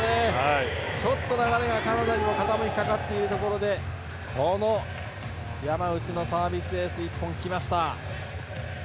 ちょっと流れがカナダに傾いたかというところでこの山内のサービスエース１本、来ました！